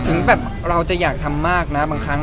ถึงแบบเราจะอยากทำมากนะบางครั้ง